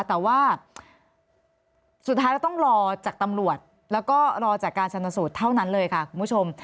แต่ว่าสุดท้ายเราต้องรอจากตำรวจแล้วก็รอจากการชนสูตรเท่านั้นเลยค่ะคุณผู้ชม